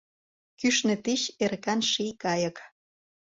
Кӱшнӧ тич эрыкан ший кайык.